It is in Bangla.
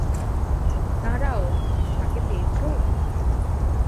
দাঁড়াও, তাকে পেয়েছো?